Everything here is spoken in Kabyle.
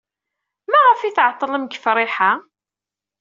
Maɣef ay tɛeḍḍlem deg Friḥa?